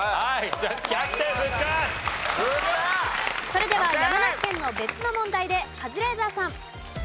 それでは山梨県の別の問題でカズレーザーさん。